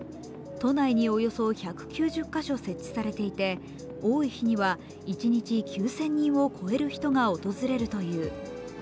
都内におよそ１９０カ所設置されていて、多い日には一日９０００人を超える人が訪れるという。